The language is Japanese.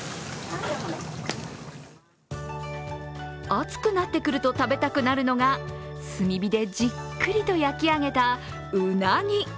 暑くなってくると食べたくなるのが、炭火でじっくりと焼き上げたうなぎ。